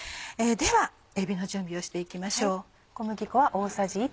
ではえびの準備をして行きましょう。